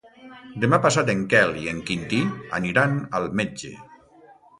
Demà passat en Quel i en Quintí aniran al metge.